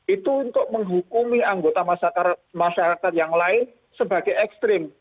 itu untuk menghukumi anggota masyarakat yang lain sebagai ekstrim